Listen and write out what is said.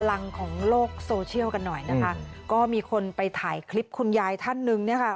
หลังของโลกโซเชียลกันหน่อยนะคะก็มีคนไปถ่ายคลิปคุณยายท่านหนึ่งเนี่ยค่ะ